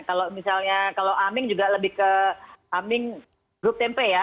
kalau misalnya kalau aming juga lebih ke aming grup tempe ya